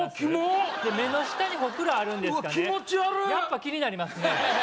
やっぱ気になりますね